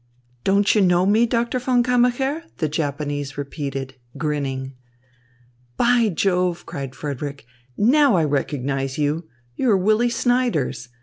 "Don't you know me, Doctor von Kammacher?" the Japanese repeated, grinning. "By Jove," cried Frederick, "now I recognise you. You are Willy Snyders.